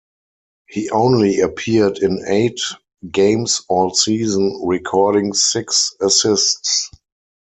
He only appeared in eight games all season, recording six assists.